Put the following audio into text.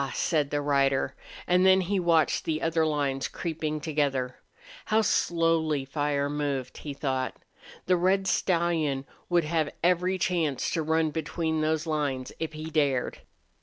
said the rider, and then he watched the other lines creeping together. How slowly fire moved, he thought. The red stallion would have every chance to run between those lines, if he dared.